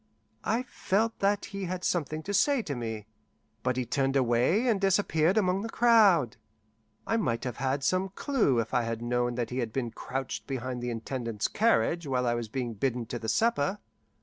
I felt that he had something to say to me. But he turned away and disappeared among the crowd. I might have had some clue if I had known that he had been crouched behind the Intendant's carriage while I was being bidden to the supper.